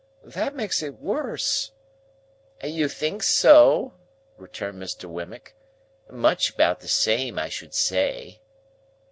"That makes it worse." "You think so?" returned Mr. Wemmick. "Much about the same, I should say."